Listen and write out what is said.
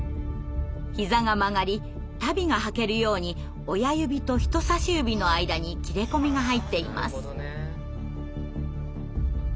膝が曲がり足袋が履けるように親指と人さし指の間に切れ込みが入っています。